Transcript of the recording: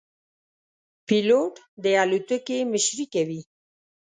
پیلوټ د الوتکې مشري کوي.